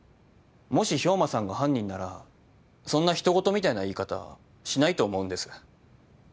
もし兵馬さんが犯人ならそんな人ごとみたいな言い方しないと思うんです。